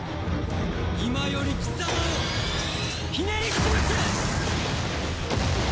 今より貴様をひねり潰す！